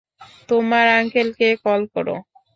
তোমার আঙ্কেলকে কল করো।